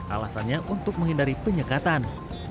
alasannya untuk menghindari penyekatan